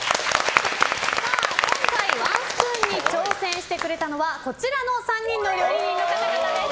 今回ワンスプーンに挑戦してくれたのはこちらの３人の料理人の方々です。